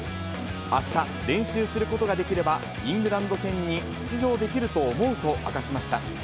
あした練習することができれば、イングランド戦に出場できると思うと明かしました。